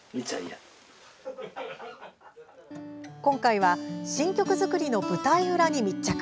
今回は、新曲作りの舞台裏に密着。